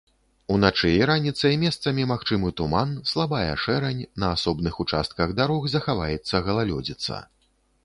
Уначы і раніцай месцамі магчымы туман, слабая шэрань, на асобных участках дарог захаваецца галалёдзіца.